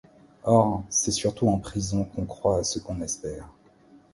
Or, c’est surtout en prison qu’on croit à ce qu’on espère!